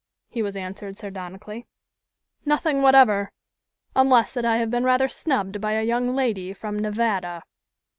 he was answered sardonically; "nothing whatever unless that I have been rather snubbed by a young lady from Nevada."